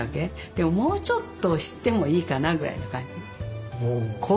でももうちょっと知ってもいいかなぐらいな感じ。